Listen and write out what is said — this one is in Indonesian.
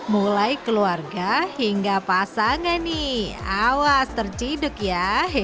mulai keluarga hingga pasangan nih awas terciduk ya